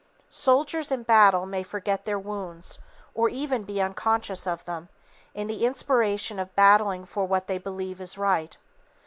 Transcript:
Soldiers in battle may forget their wounds, or even be unconscious of them, in the inspiration of battling for what they believe is right.